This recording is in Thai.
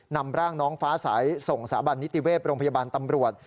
นำร่างน้องฟ้าใสส่งสาบันนิติเวศโรงพยาบาลตำรวจ